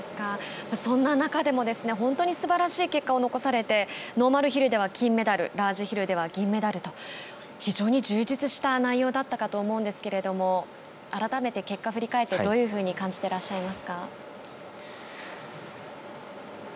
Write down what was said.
そんな中でも本当にすばらしい結果を残されてノーマルヒルでは金メダルラージヒルでは銀メダルと非常に充実した内容だったかと思うんですが改めて結果振り返ってどういうふうに感じていらっしゃいますか？